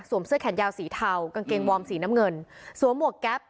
เสื้อแขนยาวสีเทากางเกงวอร์มสีน้ำเงินสวมหมวกแก๊ป